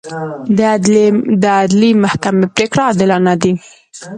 د عدلي محکمې پرېکړې عادلانه دي.